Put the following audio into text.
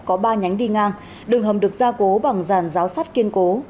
có ba nhánh đi ngang đường hầm được ra cố bằng ràn ráo sắt kiên cố